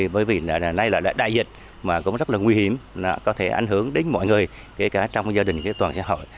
bởi vì nay là đại dịch mà cũng rất là nguy hiểm có thể ảnh hưởng đến mọi người kể cả trong gia đình toàn xã hội